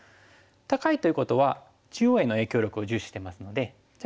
高いということは中央への影響力を重視してますのでじゃあ